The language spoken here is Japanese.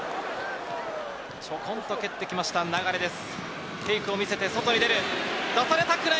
ちょこんと蹴ってきました流です。